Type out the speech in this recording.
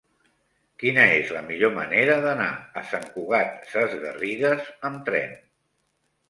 Quina és la millor manera d'anar a Sant Cugat Sesgarrigues amb tren?